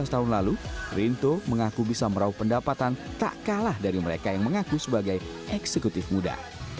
lima belas tahun lalu rinto mengaku bisa merauh pendapatan tak kalah dari mereka yang mengaku sebagai eksekutif muda